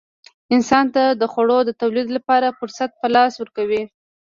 انسان ته د خوړو د تولید لپاره فرصت په لاس ورکوي.